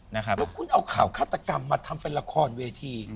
แล้วคุณเอาข่าวฆาตกรรมมาทำเป็นละครเวที